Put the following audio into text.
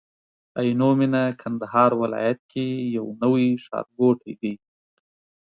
عينو مينه کندهار ولايت کي يو نوي ښارګوټي دي